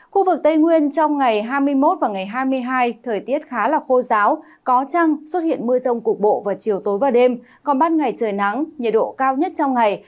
khu vực tây nguyên trong ngày hai mươi một và ngày hai mươi hai thời tiết khá là khô giáo có trăng xuất hiện mưa rông cục bộ vào chiều tối và đêm còn ban ngày trời nắng nhiệt độ cao nhất trong ngày